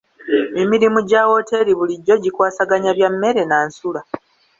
Emirimu gya wooteeri bulijjo gikwasaganya bya mmere na nsula.